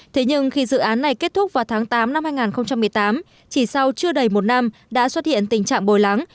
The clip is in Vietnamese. thế nhưng khi dự án này kết thúc vào tháng tám năm hai nghìn một mươi tám chỉ sau chưa đầy một năm đã xuất hiện tình trạng bồi lắng